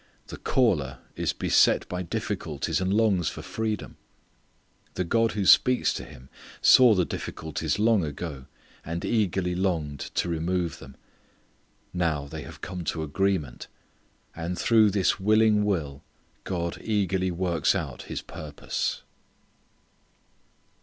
The caller is beset by difficulties and longs for freedom. The God who speaks to him saw the difficulties long ago and eagerly longed to remove them. Now they have come to agreement. And through this willing will God eagerly works out His purpose.